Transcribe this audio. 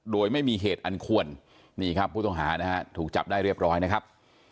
โดยไม่มีเหตุอันควรนี่ครับผู้ต้องหานะฮะถูกจับได้เรียบร้อยนะครับ